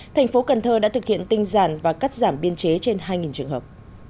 thành phố cần thơ đã thực hiện tinh giản và cắt giảm biên chế trên hai trường hợp